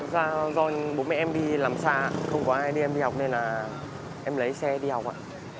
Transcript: thật ra do bố mẹ em đi làm xa không có ai đi em đi học nên là em lấy xe đi học ạ